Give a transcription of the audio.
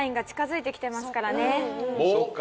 そうか。